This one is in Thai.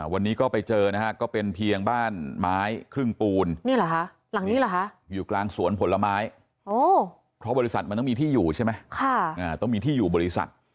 วันนี้ก็ไปเจอก็เป็นเพียงบ้านไม้ครึ่งปูนหลังนี้เหรออยู่กลางสวนผลไม้